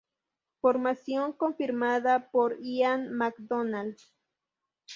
Formación confirmada por Ian MacDonald.